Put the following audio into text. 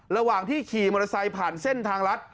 ระหว่างที่ขี่มอเตอร์ไซค์ผ่านเส้นทางรัฐ